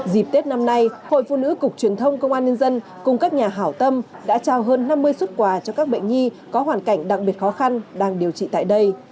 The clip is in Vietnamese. dịp tết năm nay hội phụ nữ cục truyền thông công an nhân dân cùng các nhà hảo tâm đã trao hơn năm mươi xuất quà cho các bệnh nhi có hoàn cảnh đặc biệt khó khăn đang điều trị tại đây